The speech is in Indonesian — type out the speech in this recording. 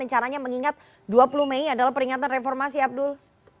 dan caranya mengingat dua puluh mei adalah peringatan reformasi abdul